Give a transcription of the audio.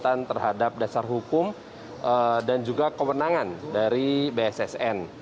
penguatan terhadap dasar hukum dan juga kewenangan dari bssn